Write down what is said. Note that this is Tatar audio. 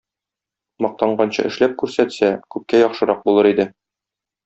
Мактанганчы эшләп күрсәтсә, күпкә яхшырак булыр иде.